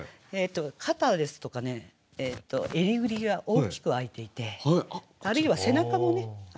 肩ですとか襟ぐりが大きくあいていてあるいは背中もねあいてる。